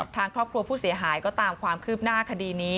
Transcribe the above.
ทางครอบครัวผู้เสียหายก็ตามความคืบหน้าคดีนี้